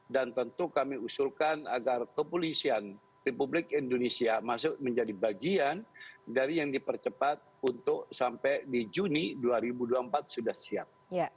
dan tentu kami usulkan agar kepolisian republik indonesia menjadi bagian dari yang dipercepat untuk sampai di juni dua ribu dua puluh empat sudah siap